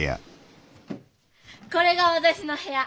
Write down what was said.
これが私の部屋。